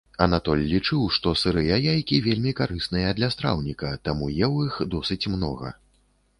Анатоль лічыў, што сырыя яйкі вельмі карысныя для страўніка, таму еў іх досыць многа.